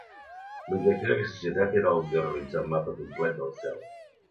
L'objectiu d'aquesta societat era el de realitzar un mapa complet del cel.